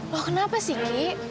loh kenapa sih ki